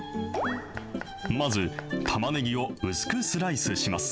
まず、たまねぎを薄くスライスします。